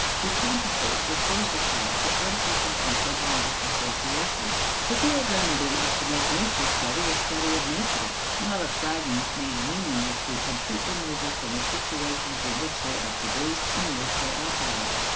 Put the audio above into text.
To compensate, recourse was had to artificial and sentimental associations. The real remedy is to make nature study a study of nature, not of fragments made meaningless through complete removal from the situations in which they are produced and in which they operate.